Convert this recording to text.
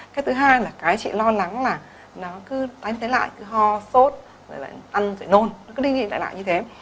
cái thứ hai là cái chị lo lắng là nó cứ tánh thế lại cứ ho sốt rồi lại ăn rồi nôn nó cứ đi lại như thế